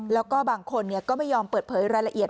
แล้วก็บางคนก็ไม่ยอมเปิดเผยรายละเอียด